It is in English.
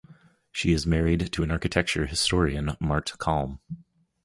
She is married to an architecture historian Mart Kalm.